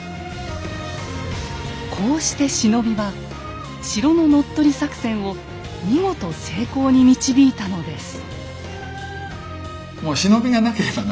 こうして忍びは城の乗っ取り作戦を見事成功に導いたのです。